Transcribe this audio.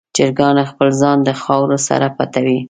چرګان خپل ځان د خاورو سره پټوي.